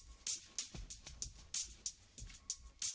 kak dulu papa